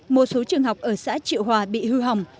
một số trường học ở xã triệu hòa bị hư hỏng